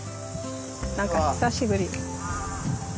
何か久しぶり。